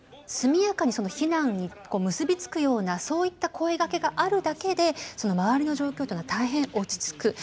速やかに避難に結び付くようなそういった声がけがあるだけで周りの状況というのは大変落ち着く。